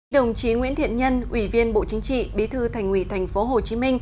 đồng chí nguyễn thiện nhân ủy viên bộ chính trị bí thư thành ủy tp hcm